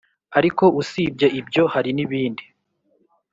ariko usibye ibyo, hari nibindi